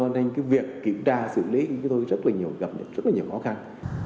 nên việc kiểm tra và xử lý khiến melhor em gather rất nhiều khó khăn